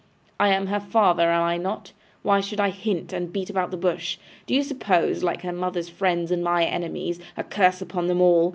'I am her father, am I not? Why should I hint, and beat about the bush? Do you suppose, like her mother's friends and my enemies a curse upon them all!